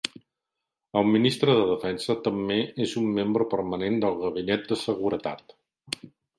El ministre de Defensa també és un membre permanent del gabinet de seguretat.